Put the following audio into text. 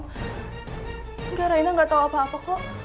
gak reina gak tau apa apa kok